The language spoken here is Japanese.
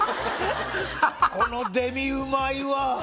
このデミうまいわ！